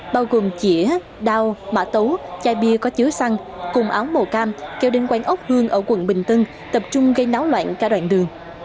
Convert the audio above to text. bao gồm chĩa đao mã tấu chai bia có chứa xăng cùng áo màu cam kêu đến quán ốc hương ở quận bình tân tập trung gây náo loạn cả đoạn đường